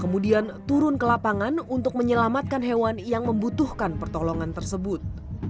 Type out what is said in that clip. kemudian turun ke lapangan untuk menyelamatkan hewan yang membutuhkan pertolongan tersebut